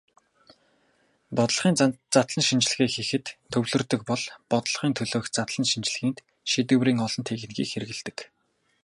Бодлогын задлан шинжилгээ байдалд төвлөрдөг бол бодлогын төлөөх задлан шинжилгээнд шийдвэрийн олон техникийг хэрэглэдэг.